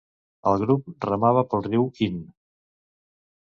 El grup remava pel riu Inn.